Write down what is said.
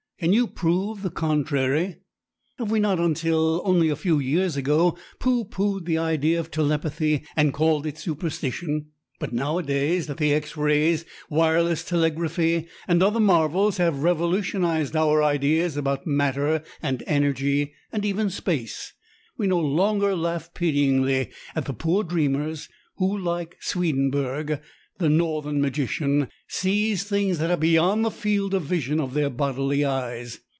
Can you prove the contrary? Have we not until only a few years ago pooh poohed the idea of telepathy and called it superstition? But nowadays that the X rays, wireless telegraphy and other marvels have revolutionised our ideas about matter and energy and even space, we no longer laugh pityingly at the poor dreamers who, like Swedenburg, the northern magician, see things that are beyond the field of vision of their bodily eyes.